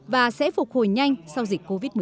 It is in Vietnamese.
và sẽ phục hồi nhanh sau dịch covid một mươi